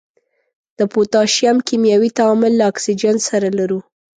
د پوتاشیم کیمیاوي تعامل له اکسیجن سره لرو.